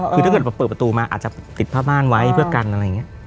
คือถ้าเกิดเปิดประตูมาอาจจะติดผ้าบ้านไว้เพื่อกันอะไรอย่างนี้